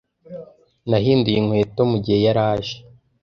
Nahinduye inkweto mugihe yaraje.